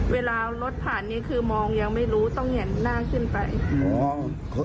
เวลารถผ่านนี้คือมองยังไม่รู้ต้องเห็นหน้าขึ้นไป